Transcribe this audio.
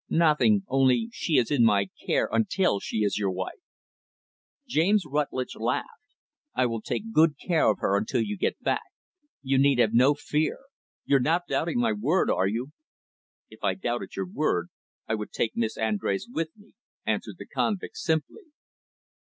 "Nothing, only she is in my care until she is your wife." James Rutlidge laughed. "I will take good care of her until you get back. You need have no fear. You're not doubting my word, are you?" "If I doubted your word, I would take Miss Andrés with me," answered the convict, simply.